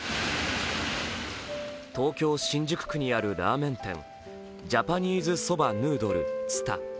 東京・新宿区にあるラーメン店、ジャパニーズ・ソバ・ヌードル蔦。